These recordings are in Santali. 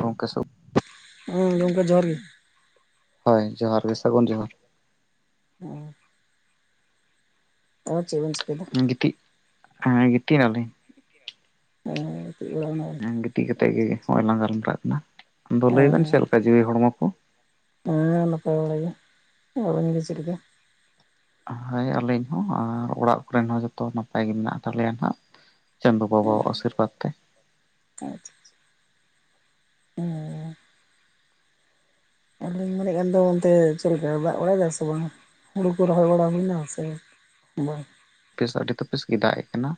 ᱜᱚᱝᱠᱮ ᱥᱟᱹᱜ, ᱦᱮᱸ ᱜᱚᱝᱠᱮ ᱡᱚᱦᱟᱨ ᱜᱮ ᱦᱳᱭ ᱡᱚᱦᱟᱨ ᱜᱮ ᱥᱟᱹᱜᱩᱱ ᱡᱚᱦᱟᱨ᱾ ᱚᱸ᱾ ᱟᱨ ᱪᱮᱫ ᱵᱤᱱ ᱪᱤ ᱜᱤᱛᱤᱡ ᱦᱮᱸ ᱜᱤᱛᱤᱡ ᱱᱟᱞᱤᱧ᱾ [unintelligible] [unintelligible] ᱮᱸ ᱜᱤᱛᱤᱡ ᱵᱮᱱᱟ ᱠᱟᱛᱮᱜ ᱜᱮ ᱦᱚᱸᱜᱚᱭ ᱞᱟᱝ ᱜᱟᱞᱢᱟᱨᱟᱣᱜ ᱠᱟᱱᱟ, ᱟᱫᱚ ᱞᱟᱹᱭ ᱵᱮᱱ ᱦᱮᱸ ᱪᱮᱫ ᱞᱮᱠᱟ ᱡᱤᱣᱤ ᱦᱚᱲᱢᱚ ᱠᱚ? ᱦᱮᱸ ᱱᱟᱯᱟᱭ ᱵᱟᱲᱟ ᱜᱮ᱾ ᱟᱵᱮᱱ ᱜᱮ ᱪᱮᱫᱞᱮᱠᱟ? ᱦᱳᱭ ᱟᱹᱞᱤᱧ ᱦᱚᱸ ᱟᱨ ᱚᱲᱟᱜ ᱠᱚᱨᱮᱱ ᱦᱚᱸ ᱡᱚᱛᱚ ᱱᱟᱯᱟᱭ ᱜᱮ ᱢᱮᱱᱟᱜ ᱛᱟᱞᱮᱭᱟ ᱱᱟᱸᱜ᱾ ᱪᱟᱸᱫᱳ ᱵᱟᱵᱟᱣᱟᱜ ᱟᱥᱤᱨᱵᱟᱫᱽ ᱛᱮ᱾ ᱟᱪᱪᱷᱟ᱾ [unintelligible] ᱟᱫᱚᱧ ᱢᱮᱱᱮᱫ ᱠᱟᱱ ᱫᱚ ᱚᱱᱛᱮ ᱪᱮᱫ ᱞᱮᱠᱟ ᱫᱟᱜ ᱵᱟᱲᱟᱭᱮᱫᱟ ᱥᱮ ᱵᱟᱝ ᱦᱩᱲᱩ ᱠᱚ ᱨᱚᱦᱚᱭ ᱵᱟᱲᱟ ᱦᱩᱭᱱᱟ ᱥᱮ ᱵᱟᱝ᱾ ᱵᱮᱥ ᱟᱹᱰᱤ ᱛᱚ ᱵᱮᱥ ᱜᱮ ᱫᱟᱜ ᱮᱛᱽᱛᱟᱦᱮᱱᱟ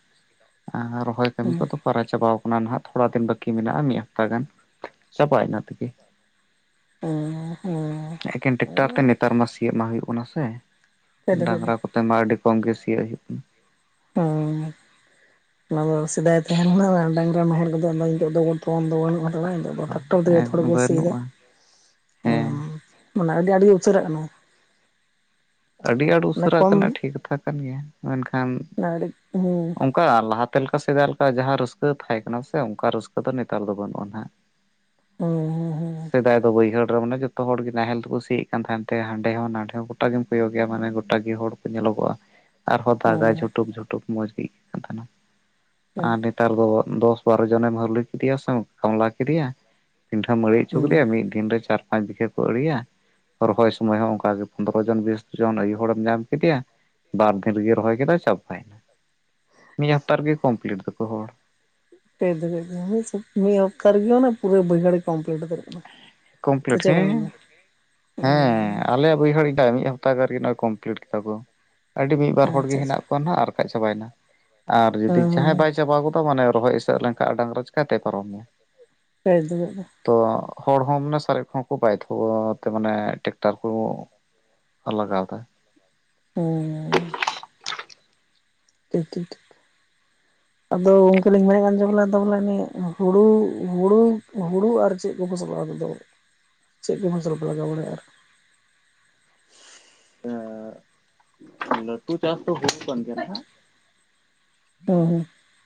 ᱟᱹ ᱨᱚᱦᱚᱭ ᱠᱟᱹᱢᱤ ᱠᱚᱫᱚ ᱯᱟᱨᱟ ᱪᱟᱵᱟᱣ ᱠᱟᱱᱟ ᱱᱟᱦᱟᱜ ᱛᱷᱚᱲᱟ ᱫᱤᱱ ᱵᱟᱹᱠᱤ ᱢᱮᱱᱟᱜᱼᱟ ᱢᱤᱫ ᱦᱟᱯᱛᱟ ᱜᱟᱱ ᱪᱟᱵᱟᱭ ᱤᱱᱟᱹ ᱛᱮᱜᱮ᱾ ᱦᱮᱸ ᱦᱩᱸ᱾ ᱮᱠᱮᱱ ᱴᱮᱠᱴᱟᱨ ᱛᱮ ᱱᱮᱛᱟᱨ ᱢᱟ ᱥᱤᱭᱚᱜ ᱢᱟ ᱦᱩᱜᱩᱜ ᱠᱟᱱᱟ ᱥᱮ, ᱯᱷᱮᱰ ᱯᱷᱮᱰ ᱦᱮᱸ ᱠᱷᱟᱡ ᱫᱚ ᱠᱷᱟᱡ ᱫᱚ ᱰᱟᱝᱨᱟ ᱠᱚ ᱛᱮᱢᱟ ᱟᱹᱰᱤ ᱠᱚᱢ ᱜᱮ ᱥᱤᱭᱳᱜ ᱦᱩᱭᱩᱜ ᱠᱟᱱᱟ᱾ ᱚᱸ ᱚᱱᱟ ᱫᱚ ᱥᱮᱫᱟᱭ ᱛᱟᱦᱮ ᱞᱮᱱᱟ ᱵᱟᱝ ᱰᱟᱝᱨᱟ ᱱᱟᱦᱮᱞ ᱠᱚᱫᱚ ᱱᱤᱛᱚᱜ ᱫᱚᱵᱚᱱ ᱛᱚᱞ ᱫᱚ ᱵᱟᱹᱱᱩᱜ ᱦᱟᱛᱟᱲᱟ ᱴᱨᱟᱠᱴᱟᱨ ᱠᱚᱛᱮ ᱛᱷᱳᱲᱟ ᱠᱟᱱᱟ ᱵᱚᱱ ᱥᱤᱭᱫᱟ᱾ ᱵᱟᱹᱱᱩᱜᱼᱟ ᱦᱮᱸ ᱚᱸ ᱢᱟᱱᱮ ᱟᱹᱰᱤ ᱟᱸᱴᱜᱮ ᱩᱥᱟᱹᱨᱟᱜ ᱠᱟᱱᱟ᱾ ᱟᱹᱰᱤ ᱟᱸᱴ ᱚᱱᱟ ᱩᱥᱟᱹᱨᱟᱜ ᱠᱚᱢ ᱠᱟᱱᱟ ᱴᱷᱤᱠ ᱠᱟᱛᱷᱟ ᱠᱟᱱ ᱜᱮᱭᱟ, ᱢᱮᱱᱠᱷᱟᱱ [unintelligible] ᱦᱮᱸ᱾ ᱚᱝᱠᱟ ᱞᱟᱦᱟᱛᱮ ᱞᱮᱠᱟ ᱥᱮᱫᱟᱭ ᱞᱮᱠᱟ ᱡᱟᱦᱟᱸ ᱨᱟᱹᱥᱠᱟᱹ ᱛᱟᱦᱮᱸ ᱠᱟᱱᱟ ᱥᱮ ᱚᱝᱠᱟ ᱨᱟᱹᱥᱠᱟᱹ ᱫᱚ ᱱᱮᱛᱟᱨ ᱫᱚ ᱵᱟᱹᱱᱩᱜᱼᱟ ᱱᱟᱜ᱾ ᱦᱩᱸ᱾ ᱦᱩᱸ ᱥᱮᱫᱟᱭ ᱫᱚ ᱵᱟᱹᱭᱦᱟᱹᱲ ᱨᱮ ᱢᱟᱱᱮ ᱡᱚᱛᱚ ᱦᱚᱲ ᱜᱮ ᱱᱟᱦᱮᱞ ᱛᱮᱠᱚ ᱥᱤᱭᱮᱫ ᱠᱟᱱ ᱛᱟᱦᱮᱱ ᱛᱮ ᱦᱟᱸᱰᱮ ᱦᱚᱸ ᱱᱟᱸᱰᱮ ᱦᱚᱸ ᱜᱚᱴᱟᱜᱮᱢ ᱠᱚᱭᱳᱜᱮᱭᱟ ᱢᱟᱱᱮ ᱜᱚᱴᱟᱜ ᱜᱮ ᱦᱚᱲ ᱠᱚ ᱧᱮᱞᱚᱜᱚᱜᱼᱟ, ᱟᱨᱦᱚᱸ ᱫᱟᱜᱟᱭ ᱦᱩᱸ ᱡᱷᱩᱴᱩᱠ ᱡᱷᱩ ᱴᱩᱠ ᱢᱚᱸᱡᱽ ᱜᱮ ᱟᱹᱭᱠᱟᱹᱜ ᱠᱟᱱ ᱛᱟᱦᱮᱱᱟ ᱦᱩᱸ ᱟᱨ ᱱᱤᱛ ᱱᱮᱛᱟᱨ ᱫᱚ ᱫᱚᱥ ᱵᱟᱨᱚ ᱡᱚᱱᱮᱢ ᱦᱟᱨᱞᱤ ᱠᱮᱫᱮᱭᱟᱥᱮᱢ, ᱠᱟᱢᱞᱟ ᱠᱮᱫᱮᱭᱟ᱾ ᱯᱤᱰᱷᱟᱹᱢ ᱢᱟᱹᱲᱤ ᱦᱚᱪᱚ ᱠᱮᱫᱮᱭᱟ ᱦᱩᱸ ᱢᱤᱜ ᱫᱤᱱ ᱨᱮ ᱪᱟᱨ ᱯᱟᱸᱪ ᱵᱤᱜᱷᱟ ᱠᱚ ᱟᱲᱤᱭᱟ ᱨᱚᱦᱚᱭ ᱥᱳᱢᱚᱭ ᱦᱚᱸ ᱚᱝᱠᱟ ᱜᱮ ᱫᱚᱥ ᱡᱚᱱ ᱵᱤᱥ ᱡᱚᱱ ᱟᱹᱭᱩ ᱦᱚᱲᱮᱢ ᱧᱟᱢ ᱠᱮᱫᱮᱭᱟ ᱵᱟᱨ ᱫᱤᱱ ᱨᱮᱜᱮ ᱨᱚᱦᱚᱭ ᱠᱮᱫᱟ ᱪᱟᱵᱟᱭᱮᱱᱟ᱾ ᱢᱤᱫ ᱦᱟᱯᱛᱟ ᱨᱮᱜᱮ ᱠᱚᱢᱯᱞᱤᱴ ᱮᱫᱟᱠᱚ ᱦᱚᱲ᱾ [unintelligible] ᱢᱤᱫ ᱦᱚᱸᱠᱠᱟ ᱜᱮᱭᱚᱱᱟ ᱯᱩᱨᱟᱹ ᱵᱟᱹᱭᱦᱟᱹᱲ ᱜᱮ ᱠᱚᱢᱯᱞᱤᱴ᱾ ᱠᱟᱱᱟ ᱥᱮ ᱠᱚᱢᱯᱞᱤᱴ ᱪᱮᱫ ᱵᱮᱱ ᱦᱮᱸᱻ ᱢᱮᱱᱫᱟ? ᱦᱮᱸᱻ ᱟᱞᱮᱭᱟᱜ ᱵᱟᱹᱭᱦᱟᱹᱲ ᱮᱴᱟᱜ ᱢᱤᱫ ᱦᱟᱯᱛᱟ ᱠᱷᱟᱱ ᱜᱮᱠᱚ ᱠᱚᱢᱯᱞᱤᱴ ᱠᱮᱫᱟ ᱠᱚ, ᱟᱹᱰᱤ ᱢᱤᱫ ᱵᱟᱨ ᱦᱚᱲᱜᱮ ᱟᱪᱪᱷᱟ ᱟᱪᱪᱷᱟ ᱦᱮᱱᱟᱜ ᱚᱱᱦᱟᱜ ᱟᱨ ᱵᱟᱠᱷᱟᱡ ᱪᱟᱵᱟᱭᱮᱱᱟ ᱟᱨ ᱡᱩᱫᱤ ᱦᱮᱸ ᱡᱟᱦᱟᱸᱭ ᱦᱮᱸ ᱵᱟᱭ ᱪᱟᱵᱟ ᱜᱚᱫᱟ ᱢᱟᱱᱮ ᱨᱚᱦᱚᱭ ᱮᱥᱮᱫ ᱞᱮᱱᱠᱷᱟᱱ ᱰᱟᱝᱨᱟ ᱪᱮᱟᱹᱛᱮᱭ ᱯᱟᱨᱚᱢᱮᱭᱟ? ᱯᱮᱡ ᱢᱮᱱᱟᱜᱼᱟ ᱛᱚ ᱦᱚᱲ ᱦᱚᱸ ᱢᱟᱱᱮ ᱥᱟᱨᱮᱡ ᱠᱚ ᱵᱟᱭᱫᱷᱚ ᱛᱮ ᱢᱟᱱᱮ ᱴᱮᱠᱴᱷᱟᱠ ᱠᱚ ᱞᱟᱜᱟᱣ ᱮᱫᱟ ᱦᱮᱸ ᱴᱷᱤᱠ ᱴᱷᱤᱠ ᱴᱷᱤᱠ ᱟᱫᱚ ᱜᱚᱢᱠᱮ ᱞᱤᱧ ᱢᱮᱱ ᱮᱫᱟ ᱵᱚᱞᱮ ᱟᱫᱚ ᱵᱚᱞᱮ ᱚᱱᱤ ᱦᱩᱲᱩ ᱦᱩᱲᱩ ᱦᱩᱲᱩ ᱟᱨ ᱪᱮᱫ ᱠᱚ ᱯᱷᱟᱥᱚᱞ ᱚᱲᱟᱜ ᱨᱮᱫᱚ [inaudible] ᱪᱮᱫ ᱠᱚ ᱯᱷᱚᱥᱚᱞ ᱯᱮ ᱞᱟᱜᱟᱣ ᱵᱟᱲᱟᱭᱟ ᱟᱨ? ᱞᱟᱴᱩ ᱪᱟᱥ ᱫᱚ ᱦᱩᱭᱩᱜ ᱠᱟᱱ ᱜᱮᱭᱟ ᱱᱟᱦᱟᱜ ᱦᱩᱸ ᱦᱩᱸ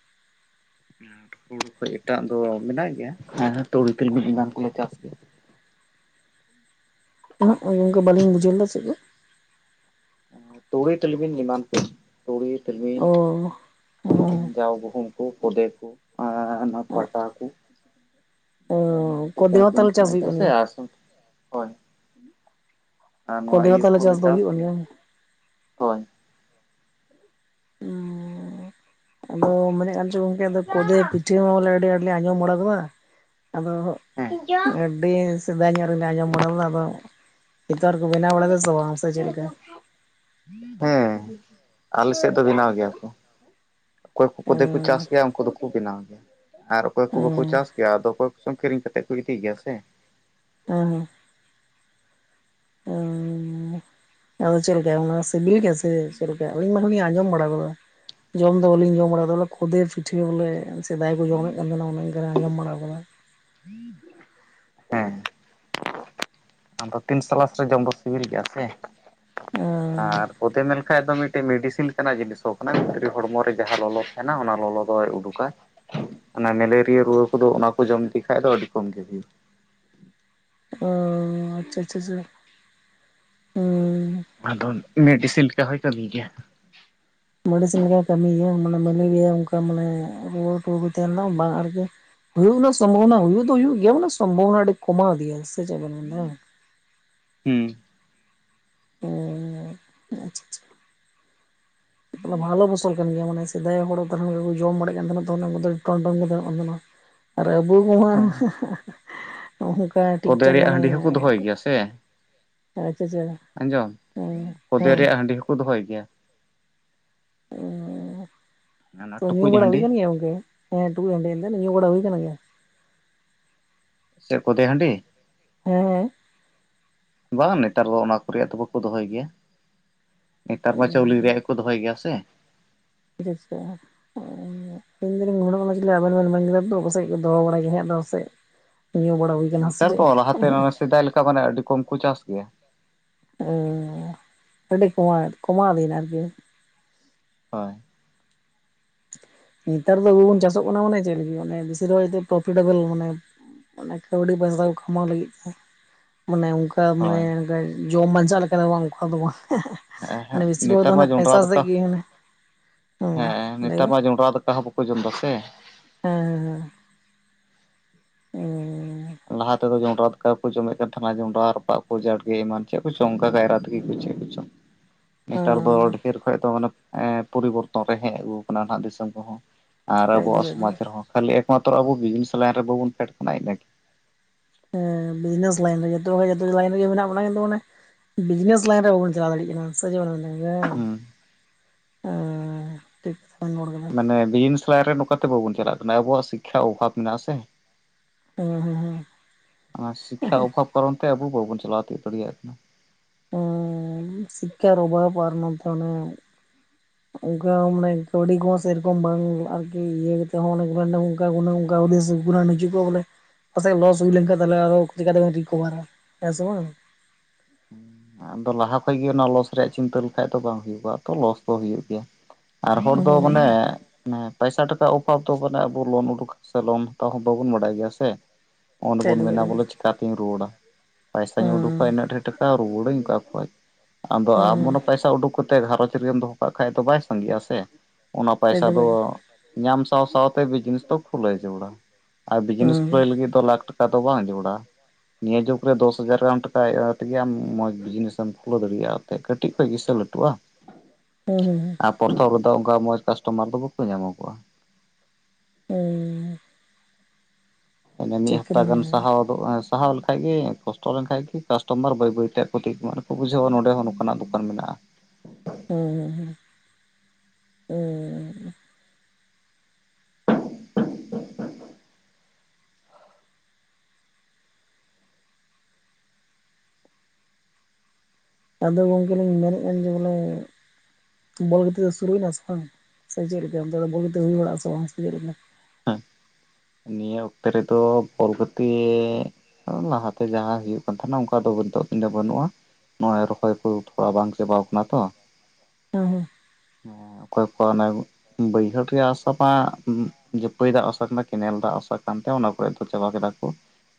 [inaudible] ᱦᱩᱲᱩ ᱠᱷᱚᱡ ᱮᱴᱟᱜ ᱫᱚ ᱢᱮᱱᱟᱜ ᱜᱮᱭᱟ ᱦᱮᱸ ᱛᱩᱲᱤ ᱛᱤᱞᱢᱤᱧ ᱮᱢᱟᱱ ᱠᱚᱞᱮ ᱪᱟᱥ ᱜᱮᱭᱟ ᱱᱷᱟᱜ ᱱᱚᱝᱠᱟ ᱵᱟᱞᱤᱧ ᱵᱩᱡᱷᱟᱹᱣ ᱞᱮᱫᱟ ᱪᱮᱫ ᱜᱮ? ᱛᱩᱲᱤ ᱛᱤᱞᱢᱤᱧ ᱮᱢᱟᱱ ᱛᱮ ᱛᱩᱲᱤ ᱛᱤᱞᱢᱤᱧ ᱚ ᱚ ᱡᱟᱣ ᱜᱩᱦᱩᱢ ᱠᱚ ᱯᱚᱫᱮ ᱠᱚ ᱟᱨ ᱚᱱᱟ ᱯᱟᱴᱟ ᱠᱚ ᱚ ᱠᱚ ᱪᱟᱥ ᱫᱤᱱ ᱫᱮᱣᱛᱟᱞ ᱦᱩᱭᱩᱜ ᱠᱟᱱᱟ ᱠᱟᱱ ᱥᱮ ᱜᱮᱭᱟ ᱦᱚᱭ [inaudible] ᱠᱚᱫᱮ ᱦᱚᱸ ᱛᱟᱞᱦᱮ ᱪᱟᱥ ᱫᱚ ᱦᱩᱭᱩᱜ ᱠᱟᱱ ᱜᱮᱭᱟ? ᱦᱳᱭ ᱩᱸ ᱟᱫᱚ ᱢᱮᱱᱮᱫ ᱠᱟᱱ ᱪᱚᱧ ᱜᱚᱝᱠᱮ ᱟᱫᱚ ᱠᱚᱫᱮ ᱯᱤᱪ ᱵᱚᱞᱮ ᱟᱹᱰᱤ ᱟᱸᱴᱞᱮ ᱟᱸᱡᱚᱢ ᱵᱟᱲᱟ ᱠᱟᱫᱟ ᱟᱫᱚ ᱦᱮᱸ ᱮᱸ ᱟᱹᱰᱤ ᱥᱮᱫᱟᱭ ᱧᱚᱜ ᱨᱮᱞᱮ ᱟᱸᱡᱚᱢ ᱵᱟᱲᱟ ᱣᱟᱠᱟᱫ ᱱᱮᱛᱟᱨ ᱠᱚ ᱵᱮᱱᱟᱣ ᱵᱟᱲᱟ ᱮᱫᱟ ᱥᱮ ᱪᱮᱫ ᱞᱮᱠᱟ? ᱦᱮᱸ ᱟᱞᱮ ᱥᱮᱫ ᱫᱚ ᱵᱮᱱᱟᱣ ᱜᱮᱭᱟ ᱠᱚ᱾ ᱚᱠᱚᱭ ᱠᱚ ᱠᱚᱫᱮ ᱠᱚ ᱪᱟᱥ ᱜᱮᱭᱟ ᱩᱱᱠᱩ ᱫᱚᱠᱚ ᱵᱮᱱᱟᱣ ᱜᱮᱭᱟ ᱟᱨ ᱚᱠᱚᱭ ᱠᱚ ᱵᱟᱠᱚ ᱪᱟᱥ ᱟᱫᱚ ᱚᱠᱚᱭ ᱠᱚᱪᱚᱝ ᱠᱤᱨᱤᱧ ᱠᱟᱛᱮᱫ ᱠᱚ ᱤᱫᱤ ᱜᱮᱭᱟ ᱥᱮ ᱮᱸᱻ ᱦᱮᱸ ᱮᱸᱻ ᱦᱮᱸ ᱟᱫᱚ ᱪᱮᱫ ᱞᱮᱠᱟ ᱚᱱᱟ ᱥᱤᱵᱤᱞ ᱜᱮᱭᱟ ᱥᱮ ᱪᱮᱫᱽ ᱞᱮᱠᱟ ᱤᱧ ᱢᱟ ᱟᱸᱡᱚᱢ ᱵᱟᱲᱟ ᱟᱠᱟᱫᱟ ᱡᱚᱢ ᱫᱚ ᱵᱟᱞᱤᱧ ᱡᱚᱢ ᱵᱟᱲᱟ ᱟᱠᱟᱫᱟ ᱵᱚᱞᱮ ᱠᱷᱚᱫᱮ ᱯᱤᱴᱷᱟᱹ ᱵᱚᱞᱮ ᱥᱮᱫᱟᱭ ᱠᱚ ᱡᱚᱢᱮᱫ ᱠᱟᱱ ᱛᱟᱸᱦᱮᱫ ᱩᱱᱟᱹᱜᱟᱱ ᱟᱸᱡᱚᱢ ᱵᱟᱲᱟ ᱟᱠᱟᱫᱟ [inaudible] ᱦᱮᱸ ᱟᱫᱚ ᱛᱤᱱ ᱥᱟᱞᱟᱥ ᱨᱮ ᱡᱚᱢ ᱫᱚ ᱥᱤᱵᱤᱞ ᱜᱮᱭᱟ ᱥᱮ ᱟᱨ ᱠᱚᱫᱮ ᱢᱮᱱ ᱞᱮᱠᱷᱟᱡ ᱦᱮᱸ ᱛᱚ ᱢᱤᱫᱴᱮᱡ ᱢᱮᱰᱤᱥᱤᱱ ᱠᱟᱱᱟᱡᱮ ᱥᱚ ᱠᱟᱱᱟ ᱢᱤᱫ ᱴᱤᱡ ᱦᱚᱲᱢᱚ ᱨᱮ ᱡᱟᱦᱟᱸ ᱞᱚᱞᱚ ᱛᱟᱦᱮᱱᱟ ᱚᱱᱟ ᱞᱚᱞᱚ ᱫᱚᱭ ᱩᱰᱩᱠᱟ ᱚᱱᱟ ᱢᱮᱞᱮᱨᱤᱭᱟ ᱨᱩᱣᱟᱹ ᱠᱚᱫᱚ ᱚᱱᱟ ᱠᱚ ᱡᱚᱢ ᱞᱮᱠᱷᱟᱡ ᱫᱚ ᱟᱹᱰᱤ ᱠᱚᱢ ᱜᱮ ᱦᱩᱭᱩᱜᱼᱟ ᱚᱸ ᱟᱪᱪᱷᱟ ᱟᱪᱷᱟ ᱟᱫᱚ ᱢᱮᱰᱤᱥᱤᱱ ᱞᱮᱠᱟ ᱦᱚᱧ ᱠᱟ. ᱢᱤ ᱜᱮᱭᱟ ᱢᱮᱰᱤᱥᱤᱱ ᱞᱮᱠᱟ ᱠᱟᱹᱢᱤᱭ ᱜᱮᱭᱟ ᱢᱟᱱᱮ ᱢᱮᱞᱮᱨᱤᱭᱟ ᱚᱱᱠᱟ ᱢᱟᱱᱮ ᱨᱩᱣᱟᱹ ᱠᱚ ᱟᱞᱳ ᱛᱟᱦᱮᱱ ᱢᱟ ᱵᱟᱝ ᱟᱨᱠᱤ ᱦᱩᱭᱩᱜ ᱨᱮᱱᱟᱜ ᱥᱚᱢᱵᱷᱚᱵᱱᱟ ᱦᱩᱭᱩᱜ ᱫᱚ ᱦᱩᱭᱩᱜ ᱜᱮᱭᱟ ᱢᱟᱱᱮ ᱥᱚᱢᱵᱷᱟᱵᱱᱟ ᱟᱹᱰᱤ ᱠᱚᱢᱟᱣ ᱜᱮᱭᱟ ᱾ᱥᱮ ᱪᱮᱫᱽ ᱵᱤᱱ ᱢᱮᱱ ᱮᱫᱟ? ᱦᱚᱸ ᱚᱸ [unintelligible] ᱵᱷᱟᱞᱚ ᱯᱷᱚᱥᱚᱞ ᱠᱟᱱ ᱜᱮᱭᱟ ᱢᱟᱱᱮ ᱥᱮᱫᱟᱭ ᱦᱚᱲᱠᱚ ᱡᱚᱢ ᱵᱟᱟᱲᱮᱜ ᱠᱟᱱ ᱛᱟᱦᱮᱱᱟ ᱛᱚ ᱚᱱᱟᱠᱚᱫᱚ ᱴᱚᱱ ᱴᱚᱝ ᱠᱚ ᱫᱟᱦᱚᱭᱮ ᱠᱟᱱ ᱛᱟᱸᱦᱮᱫ ᱟᱨ ᱟᱵᱩ ᱦᱚᱧ ᱦᱟᱸᱜ [unintelligible] ᱠᱷᱚᱫᱮ ᱨᱮᱭᱟᱜ ᱦᱟᱺᱰᱤ ᱦᱚᱸᱠᱚ ᱫᱚᱦᱚᱭ ᱜᱮᱭᱟ ᱥᱮ ᱟᱪᱪᱷᱟ ᱟᱪᱪᱷᱟ ᱟᱸᱡᱚᱢ ᱦᱮᱸ ᱠᱚᱫᱮ ᱦᱮᱸ ᱨᱮᱭᱟᱜ ᱦᱟᱺᱰᱤ ᱦᱚᱸᱠᱚ ᱫᱚᱦᱚᱭ ᱜᱮᱭᱟ᱾ ᱚᱱᱟ ᱛᱚ ᱧᱩ ᱴᱩᱠᱩᱡ ᱵᱟᱲᱟ ᱦᱩᱭ ᱦᱟᱺᱰᱤ ᱟᱠᱟᱱ ᱜᱮᱭᱟ ᱜᱚᱝᱠᱮ ᱦᱮᱸ ᱴᱩᱠᱩᱡ ᱴᱟᱺᱰᱤ ᱮᱱᱛᱮ ᱦᱮᱸ ᱧᱩ ᱵᱟᱲᱟ ᱦᱩᱭ ᱟᱠᱟᱱ ᱜᱮᱭᱟ? ᱪᱮᱫ ᱠᱚᱫᱮ ᱦᱟᱺᱰᱤ? ᱦᱮᱸ ᱦᱮᱸ ᱵᱟᱝ ᱱᱮᱛᱟᱨ ᱫᱚ ᱚᱱᱟ ᱠᱚ ᱨᱮᱭᱟᱜ ᱫᱚ ᱵᱟᱠᱚ ᱫᱚᱦᱚᱭ ᱜᱮᱭᱟ ᱾ ᱱᱮᱛᱟᱨ ᱢᱟ ᱪᱟᱣᱞᱮ ᱨᱮᱭᱟᱜ ᱜᱮ ᱠᱚ ᱫᱚᱦᱚᱭ ᱜᱮᱭᱟ ᱥᱮ ᱾ [unintelligible] ᱤᱧ ᱫᱤᱱᱤᱧ [unintelligible] ᱟᱵᱮᱱ ᱢᱮᱱ ᱠᱮᱫᱟ ᱛᱚ ᱚᱠᱟ ᱥᱮᱫ ᱠᱚ ᱫᱚᱦᱚ ᱵᱟᱲ ᱜᱮ ᱦᱟᱸ ᱟᱫᱚ ᱥᱮᱫ ᱧᱩ ᱵᱟᱲᱟ ᱦᱩᱭ ᱠᱟᱱ ᱥᱮ ᱱᱮᱛᱟᱨ ᱪᱮᱫ? ᱫᱚ ᱞᱟᱦᱟᱛᱮ ᱥᱮᱫᱟᱭ ᱞᱮᱠᱟ ᱢᱟᱱᱮ ᱟᱹᱰᱤ ᱠᱚᱢ ᱠᱚ ᱪᱟᱥ ᱜᱮᱭᱟ᱾ ᱦᱮᱸ ᱚᱰᱤ ᱠᱩᱢᱟᱣ ᱠᱩᱢᱟᱣ ᱵᱮᱱ ᱟᱨᱠᱤ ᱦᱳᱭ ᱾ ᱱᱮᱛᱟᱨ ᱫᱚ ᱵᱟᱵᱵᱚᱱ ᱪᱟᱥᱚᱜ ᱠᱟᱱᱟ ᱢᱟᱱᱮ ᱪᱮᱫ ᱮ ᱵᱮᱥᱤᱨ ᱵᱷᱟᱜᱽ ᱯᱨᱚᱯᱷᱤᱴ ᱰᱟᱹᱵᱟᱹᱞ ᱢᱟᱱᱮ ᱢᱟᱱᱮ ᱠᱟᱹᱣᱲᱤ ᱵᱟᱧᱪᱟᱣ ᱠᱟᱢᱟᱣ ᱞᱟᱹᱜᱤᱫ ᱛᱮ ᱢᱟᱱᱮ ᱚᱱᱠᱟ ᱢᱟᱱᱮ ᱦᱳᱭ ᱡᱟᱢ ᱵᱟᱧᱪᱟᱜ ᱞᱮᱠᱟ ᱫᱚ ᱵᱟᱝᱼᱟ [unintelligible] ᱦᱮᱸ ᱢᱟᱱᱮ ᱦᱮᱸ ᱵᱮᱥᱤᱨ ᱵᱷᱟᱜᱽ ᱫᱚ ᱱᱮᱛᱟᱨ ᱢᱟ ᱯᱟᱭᱥᱟ ᱡᱚᱱᱰᱨᱟ ᱥᱮᱫ ᱫᱟᱠᱟ ᱜᱮ ᱢᱟᱱᱮ ᱦᱮᱸ ᱱᱮᱛᱟᱨ ᱢᱟ ᱡᱚᱱᱰᱨᱟ ᱫᱟᱠᱟ ᱦᱚᱸ ᱵᱟᱠᱚ ᱡᱚᱢᱮᱫᱟ ᱥᱮ ᱦᱮᱸ ᱦᱮᱸ ᱦᱮᱸ ᱾ ᱦᱮᱸ ᱦᱮᱸᱻᱻᱻᱻ ᱞᱟᱦᱟ ᱛᱮᱫᱚ ᱡᱚᱸᱰᱨᱟ ᱫᱟᱠᱟ ᱠᱚ ᱡᱚᱢᱮᱫ ᱠᱟᱱ ᱛᱟᱦᱮᱱᱟ ᱡᱚᱸᱰᱨᱟ ᱨᱟᱯᱟᱜ ᱠᱚ ᱡᱟ ᱜᱮ ᱮᱢᱟᱱ ᱪᱮᱫ ᱠᱚ ᱪᱚᱝ ᱠᱟᱭᱨᱟ ᱛᱤᱠᱤ ᱠᱚ ᱪᱮᱫ ᱠᱚ ᱪᱚᱝ ᱾ [inaudible] ᱱᱮᱛᱟᱨ ᱫᱚ ᱰᱷᱮᱨ ᱠᱷᱚᱡ ᱫᱚ ᱢᱟᱱᱮ ᱯᱚᱨᱤᱵᱚᱨᱛᱚᱱ ᱨᱮ ᱦᱮᱡ ᱟᱹᱜᱩ ᱠᱟᱱᱟ ᱱᱟᱜ ᱫᱤᱥᱚᱢ ᱠᱚ ᱦᱚᱸ ᱾ ᱟᱨ ᱦᱮᱸ ᱮᱠᱫᱚᱢ ᱟᱵᱚᱣᱟᱜ ᱮᱠᱫᱚᱢ ᱥᱚᱢᱟᱡᱽ ᱨᱮᱦᱚᱸ ᱠᱷᱟᱹᱞᱤ ᱮᱠᱢᱟᱛᱨᱚ ᱟᱵᱚ ᱵᱤᱡᱱᱮᱥ ᱞᱟᱭᱤᱱ ᱨᱮ ᱵᱟᱵᱚᱱ ᱯᱷᱮᱰ ᱠᱟᱱᱟ ᱤᱱᱟᱹᱜᱤ ᱾ ᱦᱮᱸ᱾ ᱵᱤᱡᱽᱱᱮᱥ ᱞᱟᱭᱤᱱ ᱨᱮ ᱡᱚᱛᱚ ᱠᱷᱚᱡ ᱡᱚᱛᱚ ᱞᱟᱭᱤᱱ ᱨᱮᱜᱮ ᱢᱮᱱᱟᱜ ᱵᱚᱱᱟ ᱠᱤᱱᱛᱩ ᱢᱟᱱᱮ ᱵᱤᱡᱽᱱᱮᱥ ᱞᱟᱭᱤᱱ ᱨᱮ ᱵᱟᱵᱚᱱ ᱪᱟᱞᱟᱣ ᱫᱟᱲᱮᱭᱟᱜ ᱠᱟᱱᱟ ᱦᱩᱸ ᱾ [unintelligible] ᱢᱟᱱᱮ ᱵᱤᱡᱽᱱᱮᱥ ᱞᱟᱭᱤᱱ ᱨᱮ ᱱᱚᱝᱠᱟᱛᱮ ᱵᱟᱵᱚᱱ ᱪᱟᱞᱟᱜ ᱠᱟᱱᱟ ᱾ ᱟᱵᱚᱣᱟᱜ ᱥᱤᱠᱡᱷᱟ ᱚᱵᱷᱟᱵ ᱢᱮᱱᱟᱜᱼᱟ ᱥᱮ ᱾ ᱦᱮᱸ ᱦᱮᱸ ᱚᱱᱟ ᱥᱤᱠᱷᱟ ᱚᱵᱷᱟᱵ ᱠᱟᱨᱚᱱ ᱛᱮ ᱟᱵᱚ ᱵᱟᱵᱚᱱ ᱪᱟᱞᱟᱣ ᱛᱤᱭᱳᱜ ᱫᱟᱲᱮᱭᱟᱜ ᱠᱟᱱᱟ ᱾ ᱥᱤᱠᱷᱟᱨ ᱚᱵᱷᱟᱵ ᱟᱨ ᱱᱚᱱᱛᱮ ᱚᱱᱠᱟ ᱢᱟᱱᱮ ᱠᱟᱹᱣᱰᱤ ᱠᱚᱦᱚᱸ ᱥᱮᱨᱚᱠᱚᱢ ᱵᱟᱝ ᱟᱨᱠᱤ ᱤᱭᱟᱹ ᱠᱟᱛᱮ ᱦᱚᱸ ᱚᱱᱮ [unintelligible] ᱜᱩᱱ ᱱᱤᱪᱷᱩᱜ ᱠᱚ ᱵᱚᱞᱮ ᱯᱟᱥᱮᱡ ᱞᱚᱥ ᱦᱩᱭ ᱞᱮᱱᱠᱷᱟᱱ ᱟᱨ ᱪᱤᱠᱟᱛᱮᱵᱚ ᱨᱤᱠᱚᱵᱷᱟᱨᱟ ᱦᱮᱸ ᱥᱮ ᱵᱟᱝ ᱾ [inaudible] ᱟᱫᱚ ᱞᱟᱦᱟ ᱠᱷᱚᱡ ᱜᱮ ᱚᱱᱟ ᱞᱚᱥ ᱨᱮᱭᱟᱜ ᱪᱤᱱᱛᱟᱹ ᱞᱮᱠᱷᱟᱡ ᱫᱚ ᱵᱟᱝ ᱦᱩᱭᱩᱜᱜᱼᱟ ᱛᱚ ᱞᱚᱥ ᱫᱚ ᱦᱩᱭᱩᱜ ᱜᱮᱭᱟ ᱾ ᱟᱨ ᱦᱚᱲ ᱦᱩᱸ ᱫᱚ ᱦᱩᱸ ᱦᱩᱸ ᱢᱟᱱᱮ ᱦᱮᱸ ᱯᱚᱭᱥᱟ ᱴᱟᱠᱟ ᱚᱵᱷᱟᱵ ᱫᱚ ᱢᱟᱱᱮ ᱟᱵᱚ ᱞᱳᱱ ᱩᱰᱩᱠ ᱥᱮ ᱞᱳᱱ ᱦᱟᱛᱟᱣ ᱦᱚᱸ ᱵᱟᱵᱚᱱ ᱵᱟᱲᱟᱭ ᱜᱮᱭᱟ ᱥᱮ ᱾ ᱚ ᱚᱸᱰᱮ ᱠᱷᱟᱡ ᱵᱚᱱ ᱫᱚ ᱠᱷᱟᱡ ᱢᱮᱱᱟ ᱫᱚ ᱦᱩᱸ ᱵᱚᱞᱮ ᱪᱮᱠᱟ ᱛᱤᱧ ᱨᱩᱣᱟᱹᱲᱟ ᱯᱟᱭᱥᱟᱧ ᱩᱰᱩᱠᱟ ᱤᱱᱟᱹᱜ ᱰᱷᱮᱨ ᱴᱟᱠᱟ ᱨᱩᱣᱟᱹᱲᱟᱹᱧ ᱠᱷᱚᱡ ᱟᱫᱚ ᱦᱩᱸ ᱟᱢ ᱦᱩᱸ ᱢᱚᱱᱮ ᱯᱟᱭᱥᱟ ᱩᱰᱩᱠ ᱠᱟᱛᱮ ᱜᱷᱟᱨᱚᱧᱡᱽ ᱨᱮᱢ ᱫᱚᱦᱚ ᱠᱟᱜ ᱠᱷᱟᱡ ᱫᱚ ᱵᱟᱭ ᱥᱟᱸᱜᱮᱜᱼᱟ ᱥᱮ ᱚᱱᱟ ᱯᱟᱭᱥᱟ ᱫᱚ ᱾ ᱧᱟᱢ ᱥᱟᱶ ᱥᱟᱶᱛᱮ ᱵᱤᱡᱽᱱᱮᱥ ᱫᱚ ᱠᱷᱩᱞᱟᱹᱣ ᱡᱩᱲᱟ ᱟᱨ ᱵᱤᱡᱽᱱᱮᱥ ᱦᱩᱸ ᱠᱷᱩᱞᱟᱹᱣ ᱞᱟᱹᱜᱤᱫ ᱫᱚ ᱞᱟᱠ ᱴᱟ ᱴᱟᱠᱟ ᱫᱚ ᱵᱟᱝ ᱡᱩᱲᱟ ᱱᱤᱭᱟᱹ ᱡᱩᱜᱽ ᱨᱮ ᱫᱚᱥ ᱦᱟᱡᱟᱨ ᱜᱟᱱ ᱴᱟᱠᱟ ᱦᱮᱡ ᱠᱟᱛᱮᱜᱮ ᱢ ᱵᱤᱡᱽᱱᱮᱥ ᱮᱢ ᱠᱷᱩᱞᱟᱹᱣ ᱫᱟᱲᱮᱭᱟᱜᱼᱟ ᱛᱮ ᱠᱟᱹᱴᱤᱡ ᱠᱷᱚᱡ ᱜᱮ ᱥᱮ ᱞᱟᱹᱴᱩᱜᱼᱟ ᱾ ᱦᱩᱸ ᱦᱩᱸ ᱦᱩᱸ ᱾ ᱯᱨᱚᱛᱷᱚᱢ ᱨᱮᱫᱚ ᱚᱱᱠᱟ ᱢᱚᱸᱡᱽ ᱠᱟᱥᱴᱚᱢᱟᱨ ᱫᱚ ᱵᱟᱠᱚ ᱧᱟᱢᱚᱜᱼᱟ ᱾ ᱮᱸ ᱚᱱᱟ ᱢᱤᱫ ᱴᱷᱤᱠ ᱦᱟᱯᱛᱟ ᱠᱟᱛᱷᱟ ᱵᱮᱱ ᱜᱟᱱ ᱢᱮᱱ ᱠᱟᱫᱟ ᱥᱟᱦᱟᱣ ᱟ ᱥᱟᱦᱟᱣ ᱞᱮᱠᱷᱟᱡ ᱜᱮ ᱠᱚᱥᱴᱚ ᱞᱮᱱᱠᱟᱱᱡ ᱜᱮ ᱠᱟᱥᱴᱚᱢᱟᱨ ᱵᱟᱹᱭ ᱵᱟᱹᱭᱛᱮ ᱟᱜ ᱠᱚ ᱴᱷᱤᱠ ᱠᱚ ᱵᱩᱡᱷᱟᱹᱣᱟ ᱱᱚᱰᱮ ᱱᱚᱝᱠᱟᱱᱟᱜ ᱫᱚᱠ ᱵᱟᱨ ᱢᱮᱱᱟᱜᱼᱟ ᱦᱩᱸ ᱦᱩᱸ ᱦᱩᱸ. ᱟᱫᱚ ᱜᱚᱝᱠᱮ ᱞᱤᱧ ᱢᱮᱱ ᱮᱫ ᱠᱟᱱ ᱡᱮ ᱵᱚᱞᱮ ᱵᱚᱞ ᱜᱟᱛᱮ ᱫᱚ ᱥᱩᱨᱩᱭᱮᱱᱟ ᱥᱮ ᱵᱟᱝ ᱥᱮ ᱪᱮᱫ ᱞᱮᱠᱟ ᱚᱱᱛᱮ ᱫᱚ ᱵᱚᱞ ᱜᱟᱛᱮ ᱦᱩᱭ ᱵᱟᱲᱟᱜ ᱟ ᱥᱮ ᱵᱟᱝ ᱥᱮ ᱪᱮᱫ ᱞᱮᱠᱟ? ᱱᱤᱭᱟᱹ ᱚᱠᱛᱮ ᱨᱮᱫᱚ ᱵᱚᱞ ᱜᱟᱛᱮ ᱞᱟᱦᱟᱛᱮ ᱡᱟᱦᱟᱸ ᱦᱩᱭᱩᱜ ᱠᱟᱱ ᱛᱟᱦᱮᱱᱟ ᱚᱱᱠᱟ ᱫᱚ ᱵᱟᱹᱱᱩᱜᱼᱟ ᱾ ᱱᱚᱜ ᱚᱭ ᱨᱚᱦᱚᱭ ᱠᱚ ᱩᱛᱵᱟ ᱵᱟᱝ ᱪᱟᱵᱟ ᱣᱟᱠᱟᱱᱟ ᱛᱚ ᱦᱮᱸ ᱦᱮᱸ [inaudible] ᱚᱠᱚᱭ ᱠᱚᱣᱟᱜ ᱵᱟᱹᱭᱦᱟᱹᱲ ᱨᱮᱭᱟᱜ ᱟᱥᱟ ᱢᱟ ᱡᱟᱯᱟᱭ ᱫᱟᱜ ᱩᱥᱟᱨᱟ ᱨᱮᱱᱟ ᱠᱮᱱᱮᱞ ᱫᱟᱜ ᱟᱥᱟᱜ ᱠᱟᱱ ᱛᱮ ᱚᱱᱟ ᱠᱚᱨᱮ ᱫᱚ ᱪᱟᱵᱟ ᱠᱮᱫᱟ ᱠᱚᱹ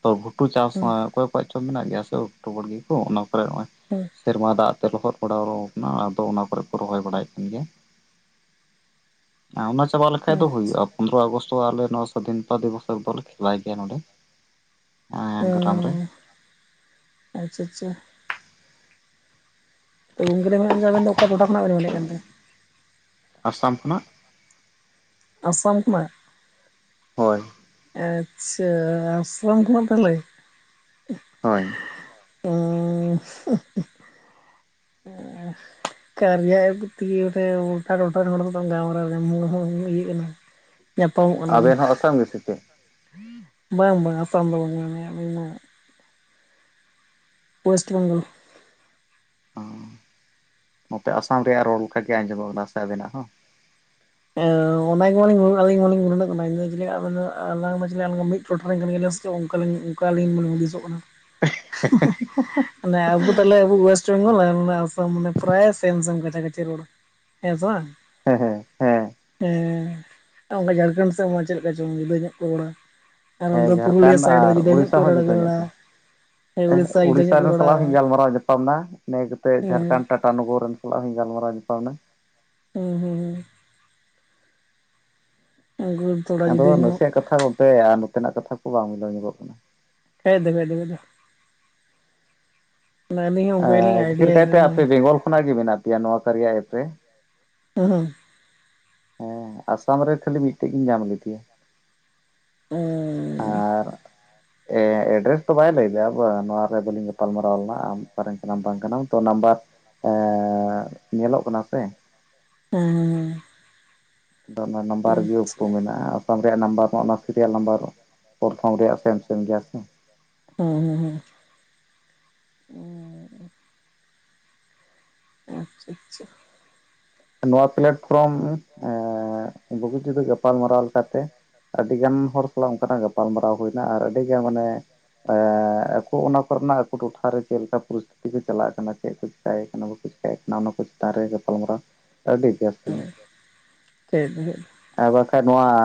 ᱛᱚ ᱜᱷᱩᱴᱩ ᱪᱟᱥ ᱦᱮᱸ [unintelligible] ᱚᱠᱚᱭ ᱠᱚᱣᱟᱜ ᱪᱚ ᱢᱮᱱᱟᱜ ᱜᱮᱭᱟ ᱥᱮ ᱚᱠᱴᱳᱵᱚᱨ ᱦᱚᱲ ᱜᱮᱠᱚ ᱚᱱᱟ ᱠᱚᱨᱮ ᱱᱚᱜᱚᱭ ᱦᱩᱸ [inaudible] ᱥᱮᱨᱢᱟ ᱫᱟᱜ ᱛᱮ ᱨᱚᱦᱚᱣ ᱵᱟᱲᱟᱣ ᱦᱚᱣᱠᱟᱱᱟ ᱟᱫᱚ ᱚᱱᱟ ᱠᱚᱨᱮ ᱠᱚ ᱨᱚᱦᱚᱭ ᱵᱟᱲᱟᱭᱮᱫ ᱠᱟᱱ ᱜᱮᱭᱟ ᱮᱸ ᱚᱱᱟ ᱪᱟᱵᱟ ᱞᱮᱠᱷᱟᱡ ᱦᱮᱸ ᱦᱮᱸ ᱫᱚ ᱦᱩᱭᱩᱜᱼᱟ ᱯᱚᱱᱫᱽᱨᱚ ᱟᱜᱚᱥᱛ ᱟᱞᱮ ᱱᱚᱣᱟ ᱫᱤᱢᱯᱟ ᱫᱤᱣᱟᱥ ᱵᱟᱵᱚᱱ ᱠᱷᱤᱞᱟᱭᱮᱫᱮᱭᱟ ᱱᱚᱰᱮ ᱮᱸ ᱜᱨᱟᱢ ᱨᱮ ᱚᱸᱻ ᱟᱪᱪᱷᱟ ᱟᱪᱪᱷᱟ ᱛᱚ ᱜᱚᱢᱠᱮ [unintelligible] ᱟᱵᱮᱱ ᱫᱚ ᱚᱠᱟ ᱴᱚᱴᱷᱟ ᱠᱷᱚᱱᱟᱜ ᱵᱮᱱ ᱢᱮᱱᱮᱫ ᱠᱟᱱ ᱛᱟᱦᱮᱸ ᱟᱥᱟᱢ ᱠᱷᱚᱱᱟᱜ᱾ ᱟᱥᱟᱢ ᱠᱚᱱᱟᱭ ᱦᱳᱭ ᱾ ᱟᱪᱪᱷᱟ ᱟᱥᱟᱢ ᱠᱷᱚᱱᱟᱜ ᱛᱟᱦᱚᱞᱮ ᱦᱳᱭ᱾ [unintelligible] [unintelligible] ᱠᱟᱨᱭᱟ ᱮᱯᱥ ᱛᱮᱜᱮ ᱱᱚᱛᱮ ᱜᱚᱴᱟ ᱴᱚᱴᱷᱟ ᱱᱚᱭᱟ ᱠᱚ ᱜᱟᱞᱢᱟᱨᱟᱣ ᱧᱟᱢᱚ ᱦᱩᱭᱩᱜ ᱠᱟᱱᱟ᱾ ᱧᱟᱯᱟᱢᱚᱜ ᱠᱟᱱᱟᱵᱚᱱ [unintelligible] ᱵᱟᱝ ᱵᱟᱝ ᱟᱥᱟᱢ ᱫᱚ ᱵᱟᱹᱧ ᱢᱮᱱᱮᱫᱼᱟ ᱤᱧ ᱢᱟ ᱳᱭᱮᱥᱴ ᱵᱮᱝᱜᱚᱞ ᱚ ᱱᱚᱛᱮ ᱟᱥᱟᱢ ᱨᱮᱭᱟᱜ ᱨᱚᱲ ᱞᱮᱠᱟ ᱜᱮ ᱟᱸᱡᱚᱢᱚᱜ ᱠᱟᱱᱟ ᱥᱮ ᱟᱵᱮᱱᱟᱜ ᱦᱚᱸ ᱦᱮᱸ ᱚᱱᱟᱜᱮ ᱵᱟᱞᱤᱝ ᱜᱩᱱᱟᱱ ᱟᱞᱤᱧ ᱢᱟ ᱜᱩᱱᱟᱱ ᱱᱚᱜ ᱠᱟᱱᱟ ᱡᱮ ᱟᱵᱮᱱ ᱫᱚ ᱟᱞᱟᱝ ᱫᱚ ᱪᱮᱫ ᱢᱤᱫ ᱴᱚᱴᱷᱟ ᱨᱮᱧ ᱠᱟᱱ ᱜᱮᱭᱟ ᱥᱮ ᱪᱮᱫ ᱚᱱᱠᱟᱞᱤᱧ ᱚᱱᱠᱟᱞᱤᱧ ᱢᱟᱞᱤᱧ ᱦᱩᱫᱤᱥᱚᱜ ᱠᱟᱱᱟ ᱦᱮᱸ ᱦᱮᱸ ᱮᱫᱮᱸᱟᱵᱚ ᱛᱟᱦᱚᱞᱮ ᱟᱵᱚ ᱚᱭᱮᱥᱴ ᱵᱮᱝᱜᱚᱞ ᱮᱱ ᱟᱥᱟᱢ ᱢᱟᱱᱮ ᱯᱨᱟᱭ ᱥᱮᱢ ᱥᱮᱢ ᱠᱟᱪᱷᱟ ᱠᱟᱪᱷᱤ ᱨᱳᱰ ᱦᱮᱸ ᱥᱮ ᱵᱟᱝ ᱦᱮᱸ ᱦᱮᱸ ᱦᱮᱸ ᱦᱮᱸ ᱚᱱᱠᱟ ᱡᱷᱟᱲᱠᱷᱚᱱᱰ ᱥᱮᱫ ᱢᱟ ᱪᱮᱫ ᱞᱮᱠᱟ ᱪᱚᱝ ᱡᱩᱫᱟᱹ ᱧᱚᱜ ᱠᱚ ᱨᱚᱲᱟ᱾ ᱟᱨ ᱦᱮᱸ ᱚᱱᱛᱮ ᱯᱩᱨᱩᱞᱤᱭᱟᱹ ᱡᱷᱟᱲᱠᱷᱚᱸᱰ ᱥᱟᱭᱤᱰ ᱫᱚ ᱟᱨ ᱡᱩᱫᱟᱹ ᱧᱚᱜ ᱠᱚ ᱨᱚᱲᱮ ᱨᱚᱲᱟ᱾ ᱦᱮᱸ ᱮᱸ ᱩᱲᱤᱥᱥᱟ ᱡᱩᱫᱟᱹ ᱩᱲᱤᱥᱟ ᱧᱚᱜ ᱠᱚ ᱨᱮᱱ ᱨᱚᱲᱟ ᱥᱟᱞᱟᱜ ᱦᱚᱧ ᱜᱟᱞᱢᱟᱨᱟᱣ ᱧᱟᱯᱟᱢ ᱮᱱᱟ ᱤᱱᱟᱹ ᱠᱟᱛᱮᱜ ᱦᱮᱸ ᱡᱷᱟᱲᱠᱷᱚᱸᱰ ᱴᱟ ᱛᱟᱞ ᱱᱚᱜᱚᱨ ᱨᱮᱱ ᱥᱟᱞᱟᱜ ᱦᱚᱸᱧ ᱜᱟᱞᱢᱟᱨᱟᱣ ᱧᱟᱯᱟᱢ ᱱᱟ᱾ ᱦᱩᱸ ᱦᱩᱸ ᱟ ᱜᱩᱢ ᱟᱫᱚ ᱱᱟᱥᱮ ᱠᱟᱛᱷᱟ ᱦᱚᱸ ᱚᱱᱛᱮ ᱟᱨ ᱱᱚᱛᱮᱱᱟᱜ ᱠᱟᱛᱷᱟ ᱠᱚ ᱵᱟᱝ ᱢᱤᱞᱟᱹᱣ ᱧᱚᱜᱚᱜ ᱠᱟᱱᱟ᱾ ᱮᱸ ᱫᱮᱵᱮ ᱫᱮᱵᱮ ᱫᱚ᱾ ᱫᱚ ᱟᱹᱞᱤᱧ ᱦᱚᱸ ᱚᱱᱠᱟ ᱜᱮᱞᱤᱧ ᱟᱨ ᱴᱷᱤᱠᱟᱹ ᱟᱭᱰᱤᱭᱟ ᱠᱟᱭᱛᱮ ᱦᱮᱸ ᱦᱮᱸ ᱟᱯᱮ ᱵᱮᱝᱜᱚᱞ ᱠᱷᱚᱱᱟᱜ ᱜᱮ ᱢᱮᱱᱟᱜ ᱯᱮᱭᱟ ᱱᱚᱣᱟ ᱠᱟᱨᱭᱟ ᱮᱯ ᱨᱮ᱾ ᱩ ᱦᱩᱝ ᱦᱮᱸ ᱟᱥᱟᱢ ᱨᱮ ᱠᱷᱟᱹᱞᱤ ᱢᱤᱫᱴᱮᱡ ᱜᱤ ᱧᱟᱢ ᱞᱮᱫᱮᱭᱟ᱾ ᱩᱻᱩ ᱟᱨ ᱮᱸ ᱮᱰᱨᱮᱥ ᱫᱚ ᱵᱟᱭ ᱞᱟᱹᱭᱫᱟ ᱵᱟᱝ ᱱᱚᱣᱟ ᱨᱮ ᱜᱮ ᱞᱤᱧ ᱜᱟᱯᱟᱞ ᱢᱟᱨᱟᱣ ᱞᱮᱱᱟ ᱟᱢ ᱚᱠᱟ ᱨᱮᱱ ᱠᱟᱱᱟᱢ ᱵᱟᱝ ᱠᱟᱱᱟᱢ ᱛᱚ ᱱᱟᱢᱵᱟᱨ᱾ ᱮᱸᱻ ᱧᱮᱞᱚᱜ ᱠᱟᱱᱟ ᱯᱮ? ᱚᱠᱟᱨᱮ ᱢᱮᱱᱟᱢᱟ? ᱟᱫᱚ ᱚᱱᱟ ᱱᱟᱢᱵᱟᱨ ᱜᱮ ᱛᱚ ᱢᱮᱱᱟᱜᱼᱟ ᱜᱚᱢᱠᱮ ᱱᱟᱢᱵᱟᱨ ᱚᱱᱟ ᱥᱤᱨᱤᱭᱟᱞ ᱱᱟᱢᱵᱟᱨ ᱯᱚᱨᱛᱷᱚᱢ ᱨᱮᱭᱟᱜ ᱥᱮᱢ ᱥᱮᱢ ᱜᱮᱭᱟ ᱥᱮ ᱦᱩᱸ ᱦᱩᱸ ᱦᱩᱸ ᱟᱪᱪᱷᱟ ᱟᱪᱪᱷᱟ ᱱᱚᱣᱟ ᱯᱞᱮᱴᱯᱷᱚᱨᱚᱢ ᱮᱸ ᱵᱩᱜᱤᱴᱤᱨᱮ ᱜᱟᱯᱟᱞᱢᱟᱨᱟᱣ ᱞᱮᱠᱟᱛᱮ ᱟᱹᱰᱤ ᱜᱟᱱ ᱦᱚᱲ ᱥᱟᱞᱟᱜ ᱚᱱᱠᱟᱱᱟᱜ ᱜᱟᱯᱟᱞ ᱢᱟᱨᱟᱣ ᱦᱩᱭᱱᱟ ᱟᱨ ᱟᱹᱰᱤᱜᱟᱱ ᱢᱟᱱᱮ᱾ ᱟ ᱟᱠᱚ ᱚᱱᱟ ᱠᱚᱨᱮᱱᱟᱜ ᱟᱠᱚ ᱴᱚᱴᱷᱟ ᱨᱮ ᱪᱮᱫ ᱞᱮᱠᱟ ᱯᱚᱨᱤᱥᱛᱷᱤᱛᱤ ᱪᱟᱞᱟᱜ ᱠᱟᱱᱟ ᱪᱮᱫ ᱠᱚ ᱪᱮᱠᱟᱭᱮ ᱠᱟᱱᱟ ᱵᱟᱠᱚ ᱪᱮᱠᱟᱭᱮ ᱠᱟᱱᱟ ᱮᱠ ᱱᱟ ᱱᱩᱠᱩ ᱪᱮᱛᱟᱱ ᱨᱮ ᱜᱟᱯᱟᱞ ᱢᱟᱨᱟᱣ ᱟᱹᱰᱤ ᱡᱟᱹᱥᱛᱤ ᱦᱮᱸ ᱦᱮᱸ ᱟᱨ ᱵᱟᱠᱷᱟᱜ ᱱᱚᱭᱟ᱾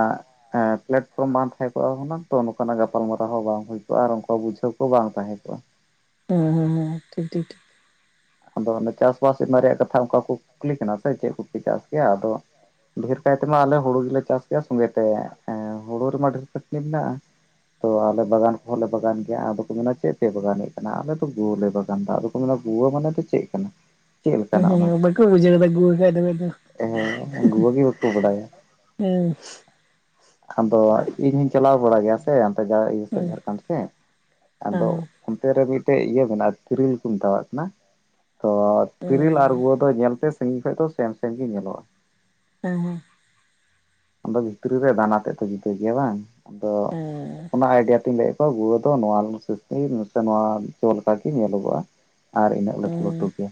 ᱦᱮᱸ ᱯᱞᱟᱴᱯᱷᱚᱨᱚᱢ ᱵᱟᱝ ᱛᱟᱦᱮᱸ ᱠᱚᱜᱼᱟ ᱦᱩᱱᱟᱝ ᱛᱚ ᱱᱚᱝᱠᱟᱱ ᱟᱜ ᱜᱟᱯᱟᱞ ᱢᱟᱨᱟᱣ ᱦᱚᱸ ᱵᱟᱝ ᱦᱩᱭ ᱠᱚᱜᱼᱟ ᱟᱨ ᱚᱱᱠᱟ ᱵᱩᱡᱷᱟᱹᱣ ᱠᱚ ᱵᱟᱝ ᱛᱟᱦᱮᱸ ᱠᱚᱜᱼᱟ᱾ ᱦᱮᱸ ᱦᱮᱸ ᱦᱮᱸ ᱴᱷᱤᱠ ᱴᱷᱤᱠ ᱴᱷᱤᱠ ᱟᱫᱚ ᱚᱱᱟ ᱪᱟᱥ ᱵᱟᱥ ᱚᱱᱟ ᱨᱮᱭᱟᱜ ᱠᱟᱛᱷᱟ ᱚᱱᱠᱟ ᱠᱚ ᱠᱩᱠᱞᱤ ᱠᱟᱱᱟ ᱥᱮ ᱪᱮᱫ ᱠᱚ ᱯᱮ ᱪᱟᱥ ᱜᱮᱭᱟ ᱟᱫᱚ᱾ ᱰᱷᱮᱨ ᱠᱟᱭ ᱛᱮᱢᱟ ᱟᱞᱮ ᱦᱳᱲᱳ ᱜᱮᱞᱮ ᱪᱟᱥ ᱜᱮᱭᱟ ᱥᱚᱸᱜᱮ ᱛᱮ ᱮᱸ ᱦᱳᱲᱳ ᱨᱮᱢᱟ ᱰᱷᱮᱨ ᱠᱷᱟᱹᱴᱱᱤ ᱢᱮᱱᱟᱜᱼᱟ ᱛᱚ ᱟᱞᱮ ᱵᱟᱜᱟᱱ ᱦᱚᱸ ᱞᱮ ᱵᱟᱜᱟᱱ ᱜᱮᱭᱟ ᱟᱫᱚ ᱠᱚ ᱢᱮᱱᱟ ᱪᱮᱫ ᱯᱮ ᱵᱟᱜᱟᱱᱼᱮᱫ ᱠᱟᱱᱟ ᱟᱞᱮ ᱫᱚ ᱜᱳ ᱞᱮ ᱵᱟᱜᱟᱱ ᱫᱟ ᱟᱫᱚ᱾ [unintelligible] ᱜᱩᱣᱟᱹ ᱢᱟᱱᱮ ᱫᱚ ᱪᱮᱫ ᱠᱟᱱᱟ ᱪᱮᱫ ᱦᱮᱸ ᱞᱮᱠᱟᱱᱟᱜ ᱦᱮᱸ ᱚᱱᱟ [unintelligible] ᱫᱚ [unintelligible] ᱜᱩᱣᱟᱹ [unintelligible] ᱮᱠᱫᱚᱢ ᱮᱠᱫᱚᱢ ᱦᱮᱸ ᱜᱩᱣᱟᱹ ᱜᱮ ᱵᱟᱠᱚ ᱵᱟᱰᱟᱭᱟ ᱦᱮᱸ ᱟᱫᱚ ᱤᱧᱤᱧ ᱪᱟᱞᱟᱣ ᱵᱟᱲᱟᱜ ᱜᱮᱭᱟ ᱥᱮ ᱚᱱᱛᱮ ᱤᱭᱟᱹ ᱥᱮᱫ ᱦᱮᱸ ᱡᱷᱟᱲᱠᱷᱚᱸᱰ ᱥᱮᱫ ᱟᱫᱚ ᱦᱮᱸ ᱚᱱᱛᱮ ᱨᱮ ᱢᱤᱫ ᱴᱮᱡ ᱤᱭᱟᱹ ᱢᱮᱱᱟᱜᱼᱟ ᱛᱤᱨᱤᱞ ᱠᱚ ᱢᱮᱛᱟᱣᱟᱜ ᱠᱟᱱᱟ ᱛᱚ ᱛᱤᱨᱤᱞ ᱟᱨ [unintelligible] ᱫᱚ ᱧᱮᱞ ᱛᱮ ᱥᱟᱹᱜᱤᱧ ᱠᱷᱚᱱ ᱫᱚ ᱥᱮᱢ ᱥᱮᱢ ᱜᱮ ᱧᱮᱞᱚᱜᱼᱟ [unintelligible] ᱟᱫᱚ ᱵᱷᱤᱛᱨᱤ ᱨᱮ ᱫᱟᱱᱟ ᱛᱮᱫ ᱫᱚ ᱡᱩᱫᱟᱹ ᱜᱮᱭᱟ ᱵᱟᱝ ᱟᱫᱚ ᱦᱮᱸ ᱚᱱᱟ ᱟᱭᱰᱤᱭᱟ [unintelligible] [unintelligible] [unintelligible] ᱱᱚᱣᱟ ᱦᱤᱥᱟᱹᱵ ᱛᱮ ᱧᱮᱞᱚᱜᱚᱜᱼᱟ [unintelligible] ᱞᱮᱠᱟᱜ ᱜᱮ ᱧᱮᱞᱚᱜᱚᱜᱼᱟ ᱟᱨ ᱤᱱᱟᱹ [unintelligible]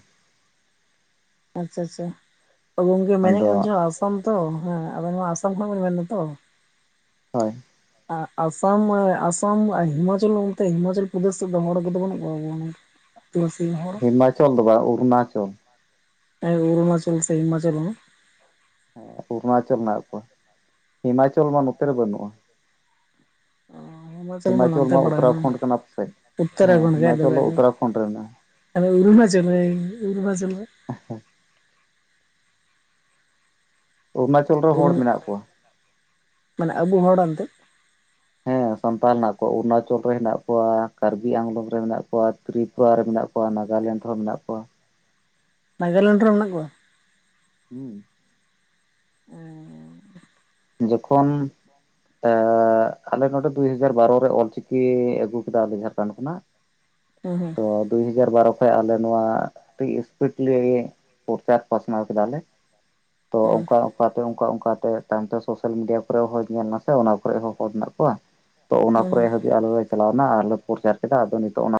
ᱟᱪᱪᱷᱟ ᱟᱪᱪᱷᱟ ᱜᱚᱝᱠᱮ [unintelligible] ᱟᱫᱚ ᱟᱸᱥᱟᱢ ᱛᱚ ᱦᱮᱸ ᱟᱵᱮᱱ ᱢᱟ ᱟᱸᱥᱟᱢ ᱠᱷᱚᱱᱟᱜ ᱵᱮᱱ ᱢᱮᱱ ᱫᱟ ᱛᱚ ᱦᱳᱭ ᱟᱸᱥᱟᱢ ᱟᱸᱥᱟᱢ ᱦᱤᱢᱟᱪᱚᱞ ᱚᱱᱛᱮ ᱦᱤᱢᱟᱪᱚᱞ ᱯᱨᱚᱫᱮᱥ ᱥᱮᱫ ᱫᱚ ᱦᱚᱲ ᱠᱚᱫᱚ ᱵᱟᱹᱱᱩᱜ ᱠᱚᱣᱟ [unintelligible] [inaudible] [unintelligible] ᱦᱚᱲ ᱦᱤᱢᱟᱪᱚᱞ ᱫᱚ ᱵᱟᱝ ᱚᱨᱩᱱᱟᱪᱚᱞ ᱚᱨᱩᱱᱟᱪᱚᱞ ᱥᱮ ᱦᱤᱢᱟᱪᱚᱞ ᱦᱚᱸ ᱦᱮᱸ ᱚᱨᱩᱱᱟᱪᱚᱞ ᱢᱮᱱᱟᱜ ᱠᱚᱣᱟ ᱦᱤᱢᱟᱪᱚᱞ ᱢᱟ ᱱᱚᱛᱮ ᱨᱮ ᱵᱟᱹᱱᱩᱜᱼᱟ ᱚ ᱦᱤᱢᱟᱪᱚᱞ [unintelligible] [unintelligible] [unintelligible] [unintelligible] ᱢᱟ ᱩᱛᱛᱚᱨᱟᱠᱷᱚᱸᱰ ᱠᱟᱱᱟ ᱯᱟᱥᱮᱡ ᱦᱮᱸ ᱦᱤᱢᱟᱪᱚᱞ ᱫᱚ ᱩᱛᱛᱚᱨᱟᱠᱷᱚᱸᱰ ᱨᱮ ᱢᱮᱱᱟᱜᱼᱟ ᱚᱨᱩᱱᱟᱪᱚᱞ [unintelligible] [inaudible] ᱚᱨᱩᱱᱟᱪᱚᱞ ᱨᱮ ᱦᱚᱲ ᱚᱨᱩᱱ ᱢᱮᱱᱟᱜ ᱠᱚᱣᱟ ᱢᱟᱱᱮ ᱟᱵᱚ ᱦᱚᱲ ᱚᱱᱛᱮ ᱦᱮᱸ ᱥᱟᱱᱛᱟᱞ ᱦᱮᱱᱟᱜ ᱠᱚᱣᱟ ᱚᱨᱩᱱᱟᱪᱚᱞ ᱨᱮ ᱦᱮᱱᱟᱜ ᱠᱚᱣᱟ [unintelligible] ᱨᱮ ᱢᱮᱱᱟᱜ ᱠᱚᱣᱟ ᱛᱨᱤᱯᱩᱨ ᱨᱮ ᱢᱮᱱᱟᱜ ᱠᱚᱣᱟ ᱱᱟᱜᱟᱞᱮᱱᱰ ᱦᱚᱸ ᱢᱮᱱᱟᱜ ᱠᱚᱣᱟ ᱱᱟᱜᱟᱞᱮᱱᱰ ᱨᱮ ᱢᱮᱱᱟᱜ ᱠᱚᱣᱟ ᱦᱩᱸ [unintelligible] ᱡᱚᱠᱷᱚᱱ ᱟᱞᱮ ᱱᱚᱰᱮ ᱫᱩ ᱦᱟᱡᱟᱨ ᱵᱟᱨᱚ ᱨᱮ ᱚᱞ ᱪᱤᱠᱤ ᱟᱹᱜᱩ ᱠᱮᱫᱟ ᱟᱞᱮ ᱡᱷᱟᱨᱠᱷᱚᱸᱰ ᱠᱷᱚᱱᱟᱜ [unintelligible] ᱫᱩ ᱦᱟᱡᱟᱨ ᱵᱟᱨᱚ ᱠᱷᱚᱡ ᱟᱜ ᱟᱞᱮ ᱱᱚᱣᱟ ᱟᱹᱰᱤ ᱤᱥᱯᱤᱴ ᱞᱮ ᱯᱨᱚᱪᱟᱨ ᱯᱟᱥᱱᱟᱣ ᱠᱮᱫᱟ ᱞᱮ ᱛᱚ ᱦᱩᱸ ᱚᱝᱠᱟ ᱚᱝᱠᱟ ᱛᱮ ᱚᱝᱠᱟ ᱚᱝᱠᱟ ᱛᱮ ᱛᱟᱭᱚᱢ ᱛᱮ ᱥᱳᱥᱟᱞ ᱢᱤᱰᱤᱭᱟ ᱠᱚ ᱨᱮ ᱦᱚᱸ ᱧᱮᱞ ᱱᱟᱥᱮ ᱚᱱᱟ ᱠᱚᱨᱮ ᱦᱚᱸ ᱦᱚᱲ ᱢᱮᱱᱟᱜ ᱠᱚᱣᱟ ᱛᱚ ᱚᱱᱟ ᱦᱩᱸ ᱠᱚᱨᱮ ᱦᱩᱸ ᱦᱟᱹᱵᱤᱡ ᱟᱞᱮ ᱪᱟᱞᱟᱣ ᱱᱟ ᱟᱨ ᱞᱮ ᱯᱨᱚᱪᱟᱨ ᱠᱮᱫᱟ ᱟᱫᱚ ᱱᱤᱛᱚᱜ ᱚᱱᱟ